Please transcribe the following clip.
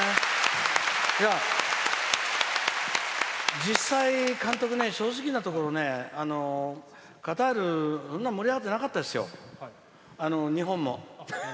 実際、監督ね正直なところねカタール、そんな盛り上がってなかったですよ日本も。